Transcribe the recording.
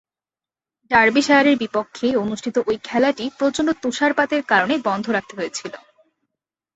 ডার্বিশায়ারের বিপক্ষে অনুষ্ঠিত ঐ খেলাটি প্রচণ্ড তুষারপাতের কারণে বন্ধ রাখতে হয়েছিল।